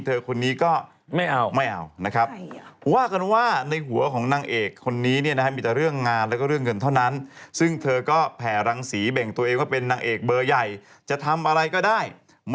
เธอคนนี้ก็ไม่เอานะครับใช่